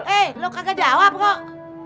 eh lo kagak jawab kok